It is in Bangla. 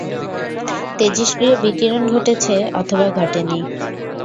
তেজস্ক্রিয় বিকিরণ ঘটেছে অথবা ঘটেনি।